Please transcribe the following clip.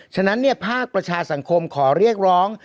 ฉะนั้นภาคประชาสังคมขอเรียกร้อง